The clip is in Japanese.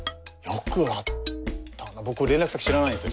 僕連絡先知らないんですよ